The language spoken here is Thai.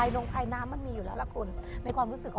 ลงภายน้ำมันมีอยู่แล้วล่ะคุณในความรู้สึกของ